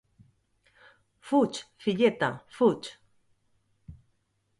Fuig, filleta, fuig.